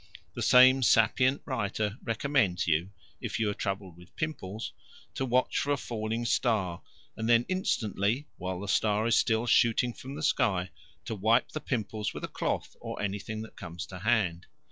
The same sapient writer recommends you, if you are troubled with pimples, to watch for a falling star, and then instantly, while the star is still shooting from the sky, to wipe the pimples with a cloth or anything that comes to hand.